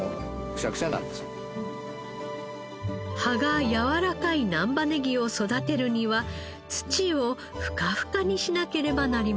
葉がやわらかい難波ネギを育てるには土をふかふかにしなければなりません。